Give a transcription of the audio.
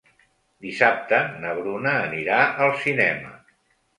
Dissabte na Bruna anirà al cinema.